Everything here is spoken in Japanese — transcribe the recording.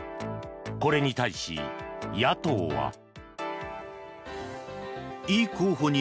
これに対し野党は。